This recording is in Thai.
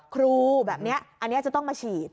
ครูแบบนี้อันนี้จะต้องมาฉีด